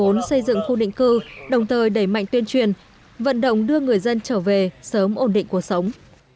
chúng tôi muốn xây dựng khu định cư đồng thời đẩy mạnh tuyên truyền vận động đưa người dân trở về sớm ổn định cuộc sống